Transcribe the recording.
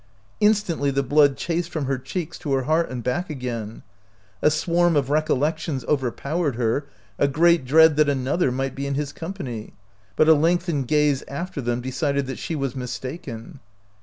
Instantly the blood chased from her cheeks to her heart and back again. A swarm of recollections overpowered her, a great dread that another might be in his company ; but a lengthened gaze after them decided that she was mis taken.